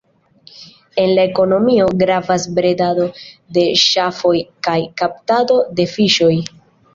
En la ekonomio gravas bredado de ŝafoj kaj kaptado de fiŝoj.